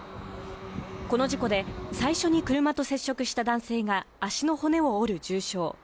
この事故で最初に車と接触した男性が足の骨を折る重傷。